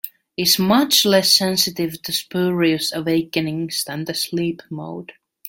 Is much less sensitive to spurious awakenings than the sleep mode.